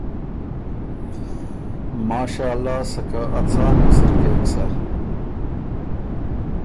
ماشأالله سَکه ا څان بُو سِرکېک سَۀ